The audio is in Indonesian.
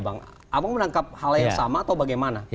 abang menangkap hal yang sama atau bagaimana